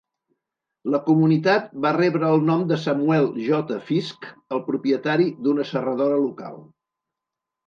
La comunitat va rebre el nom de Samuel J. Fisk, el propietari d'una serradora local.